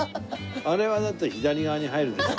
あれはだって左側に入るでしょ？